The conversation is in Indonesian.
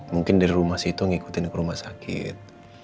mungkin dari rumah situ ngikutin ke rumah sakit